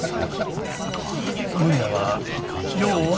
無理なんはよう分かってます。